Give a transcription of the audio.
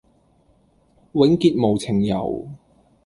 永結無情遊，